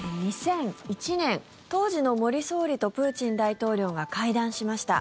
２００１年、当時の森総理とプーチン大統領が会談しました。